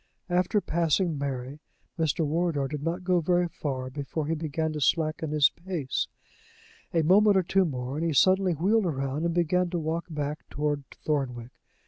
After passing Mary, Mr. Wardour did not go very far before he began to slacken his pace; a moment or two more and he suddenly wheeled round, and began to walk back toward Thornwick.